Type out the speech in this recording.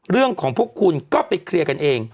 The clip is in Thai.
เรื่องของพวกคุณก็ไปเคลียร์กันเอง